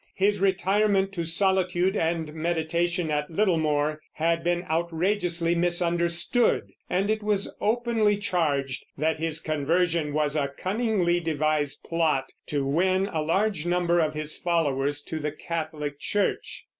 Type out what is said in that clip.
His retirement to solitude and meditation at Littlemore had been outrageously misunderstood, and it was openly charged that his conversion was a cunningly devised plot to win a large number of his followers to the Catholic church.